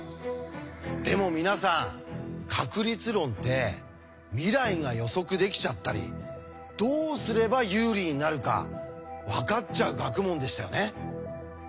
でも皆さん確率論って未来が予測できちゃったりどうすれば有利になるか分かっちゃう学問でしたよね。